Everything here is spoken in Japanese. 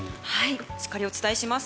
しっかりお伝えします。